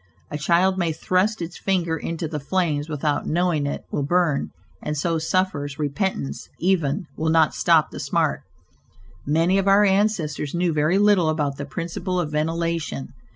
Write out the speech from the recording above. A child may thrust its finger into the flames without knowing it will burn, and so suffers, repentance, even, will not stop the smart. Many of our ancestors knew very little about the principle of ventilation.